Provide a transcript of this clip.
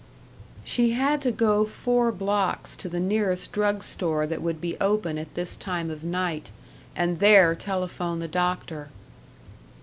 She had to go four blocks to the nearest drug store that would be open at this time of night, and there telephone the doctor.